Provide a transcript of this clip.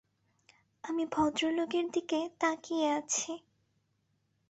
আমি ভদ্রলোকের দিকে তাকিয়ে আছি।